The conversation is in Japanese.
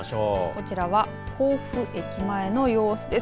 こちらは、甲府駅前の様子です。